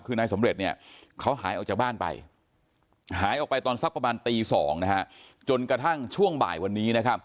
คือนายสำเร็จเขาหายออกจากบ้านไปหายออกไปตอนสักประมาณตี๒จนกระทั่งช่วงบ่ายวันนี้